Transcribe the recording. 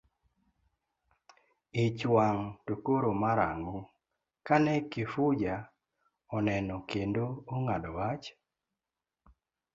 Ich wang' to koro mar ang'o kane Kifuja oneno kendo ong'ado wach?